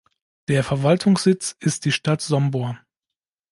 Der Verwaltungssitz ist die Stadt Sombor.